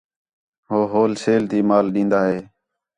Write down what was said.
ہو ہول سیل تی مال ݙین٘دا ہِے